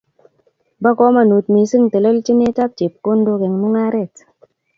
Bo komonut mising telelchinetab chepkondok eng' mungaret